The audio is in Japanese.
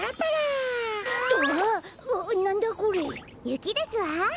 ゆきですわ。